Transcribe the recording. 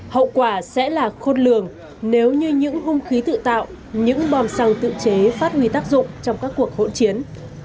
hậu quả sẽ là khôn lường nếu như những hung khí tự tạo những bom xăng tự chế phát huy tác dụng trong các cuộc hỗn chiến